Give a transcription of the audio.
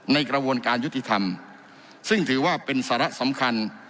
กระบวนการยุติธรรมซึ่งถือว่าเป็นสาระสำคัญ